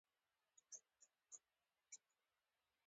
هر څوک په هر ډول جغرافیایي موقعیت کې پلی تګ کولی شي.